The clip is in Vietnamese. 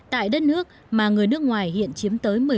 tại đất nước những người lao động châu âu và không mang quốc tịch châu âu